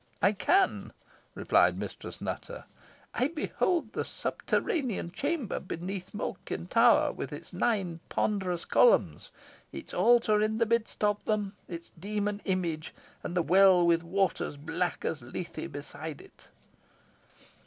"I can," replied Mistress Nutter; "I behold the subterranean chamber beneath Malkin Tower, with its nine ponderous columns, its altar in the midst of them, its demon image, and the well with waters black as Lethe beside it."